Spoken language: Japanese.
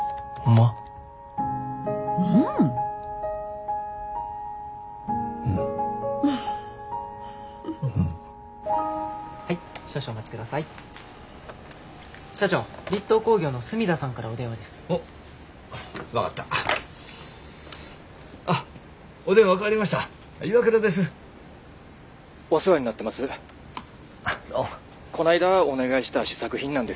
こないだお願いした試作品なんですけどね